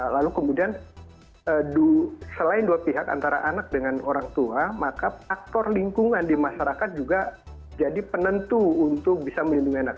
lalu kemudian selain dua pihak antara anak dengan orang tua maka faktor lingkungan di masyarakat juga jadi penentu untuk bisa melindungi anak